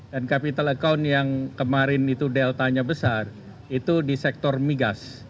capital account yang kemarin itu deltanya besar itu di sektor migas